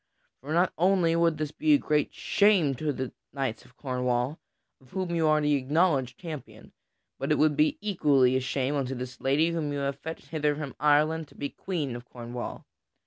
For not only would this be a great shame to the knights of Cornwall (of whom you are the acknowledged champion), but it would be equally a shame unto this lady whom you have fetched hither from Ireland to be Queen of Cornwall.